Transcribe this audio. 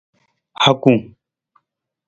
Hokung.